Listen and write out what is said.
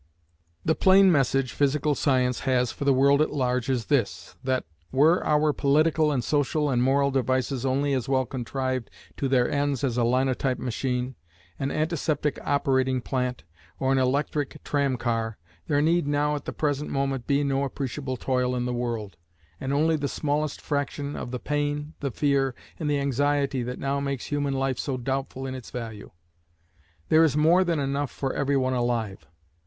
The plain message physical science has for the world at large is this, that were our political and social and moral devices only as well contrived to their ends as a linotype machine, an antiseptic operating plant, or an electric tram car, there need now at the present moment be no appreciable toil in the world, and only the smallest fraction of the pain, the fear, and the anxiety that now makes human life so doubtful in its value. There is more than enough for everyone alive.